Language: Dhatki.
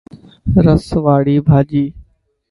رسي واڙي ڀاڄي.